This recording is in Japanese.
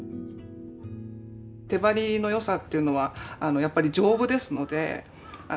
手貼りの良さっていうのはやっぱり丈夫ですので。